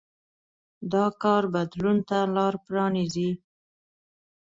دا کار بدلون ته لار پرانېزي.